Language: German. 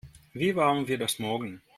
Wie warm wird es morgen?